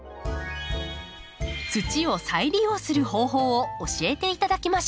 土を再利用する方法を教えていただきましょう。